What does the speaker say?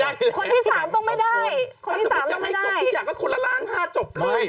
ถ้าสมมติจะให้จบที่อยากก็คนละล้าน๕จบได้ไม่